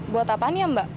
buat apaan ya mbak